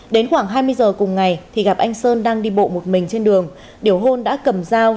đến khoảng hai mươi giờ cùng ngày thì gặp anh sơn đang đi bộ một mình trên đường điểu hôn đã cầm dao